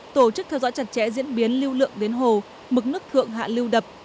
tổ chức theo dõi chặt chẽ diễn biến lưu lượng đến hồ mực nước thượng hạ lưu đập